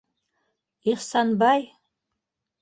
Ихсанбай!